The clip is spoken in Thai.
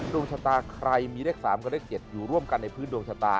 ดวงชะตาใครมีเลข๓กับเลข๗อยู่ร่วมกันในพื้นดวงชะตา